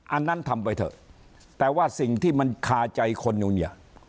อันนั้นทำไปเถอะแต่ว่าสิ่งที่มันคาใจคนอยู่เนี่ย